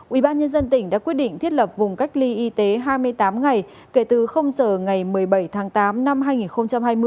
ubnd tỉnh đã quyết định thiết lập vùng cách ly y tế hai mươi tám ngày kể từ giờ ngày một mươi bảy tháng tám năm hai nghìn hai mươi